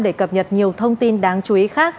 để cập nhật nhiều thông tin đáng chú ý khác